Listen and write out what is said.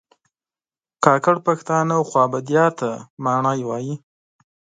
کاکړ پښتانه خوابدیا ته ماڼی وایي